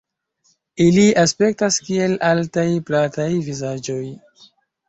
Ili aspektas kiel altaj plataj vizaĝoj.